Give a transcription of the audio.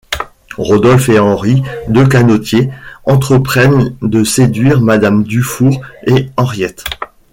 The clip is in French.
Rodolphe et Henri, deux canotiers, entreprennent de séduire Mme Dufour et Henriette...